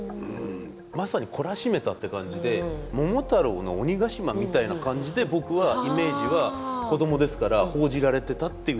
まさに懲らしめたって感じで「桃太郎」の鬼ヶ島みたいな感じで僕はイメージは子供ですから報じられてたっていう印象ですね。